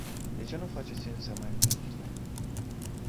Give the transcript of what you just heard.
De ce nu faceți însă mai multe?